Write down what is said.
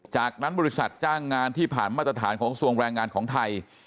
จากนั้นบริษัทจ้างงานที่ผ่านมาตรฐานของทรวงแรงงานของไทย